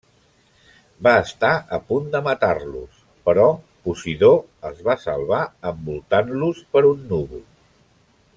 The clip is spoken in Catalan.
Va estar a punt de matar-los, però Posidó els va salvar envoltant-los per un núvol.